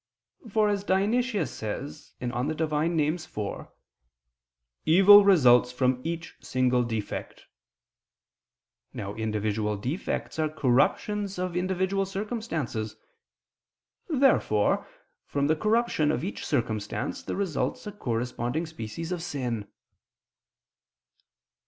For, as Dionysius says (Div. Nom. iv), "evil results from each single defect." Now individual defects are corruptions of individual circumstances. Therefore from the corruption of each circumstance there results a corresponding species of sin.